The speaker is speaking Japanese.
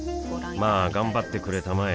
まあ頑張ってくれたまえ